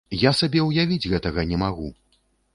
Я сабе ўявіць гэтага не магу.